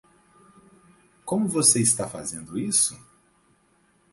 Como você está fazendo isso?